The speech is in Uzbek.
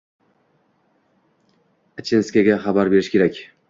Achinskaga xabar berish kerak.